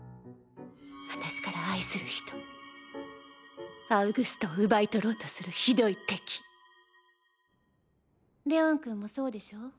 私から愛する人アウグストを奪い取ろうとするひどい敵レオンくんもそうでしょ？